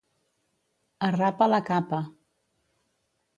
A rapa la capa.